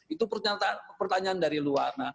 itu pertanyaan dari luar